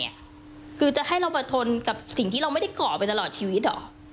คือจะให้เราประทนกับสิ่งที่เราไม่ได้ก่อไปตลอดชีวิตเหรอ